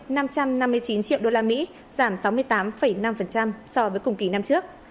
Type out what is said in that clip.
xuất siêu năm năm mươi chín triệu đô la mỹ giảm sáu mươi tám năm so với cùng kỳ năm trước